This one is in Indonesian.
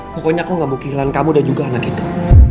pokoknya aku gak mau kehilangan kamu dan juga anak itu